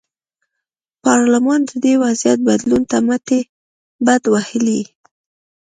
پارلمان د دې وضعیت بدلون ته مټې بډ وهلې.